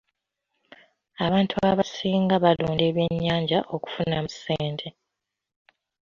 Abantu abasinga balunda ebyennyanja okufunamu ssente.